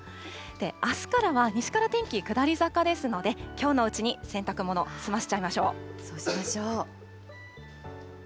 あすからは西から天気、下り坂ですので、きょうのうちに洗濯物、済ませちゃいましょう。